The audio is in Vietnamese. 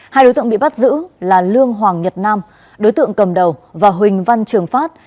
hai đối tượng bị bắt giữ là lương hoàng nhật nam đối tượng cầm đầu và huỳnh văn trường phát